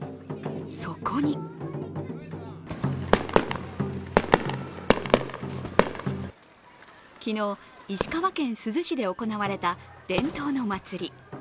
そこに昨日、石川県珠洲市で行われた伝統の祭り。